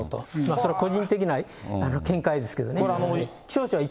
それ、個人的な見解ですけどね。